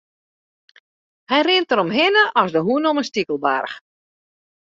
Hy rint deromhinne as de hûn om in stikelbaarch.